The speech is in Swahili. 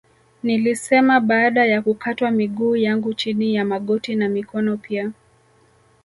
Nilisema baada ya kukatwa miguu yangu chini ya magoti na mikono pia